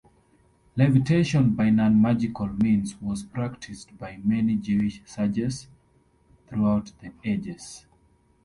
Levitation by non-magical means was practiced by many Jewish sages throughout the ages.